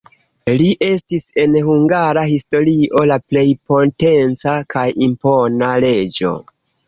Li estis en la hungara historio la plej potenca kaj impona reĝo.